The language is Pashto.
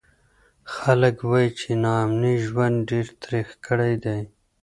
خلک وایي چې ناامني ژوند ډېر تریخ کړی دی.